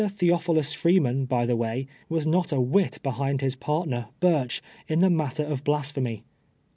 Theophilus Freeman, by the way, was not a Avhit behind his partner, Burch, in the matter of blas j^hemy.